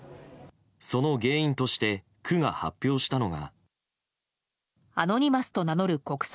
その原因として区が発表したのが。